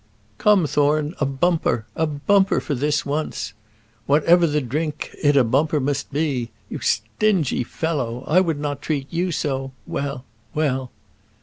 "Come, Thorne, a bumper; a bumper for this once. 'Whatever the drink, it a bumper must be.' You stingy fellow! I would not treat you so. Well well."